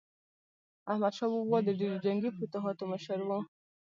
احمدشاه بابا د ډیرو جنګي فتوحاتو مشر و.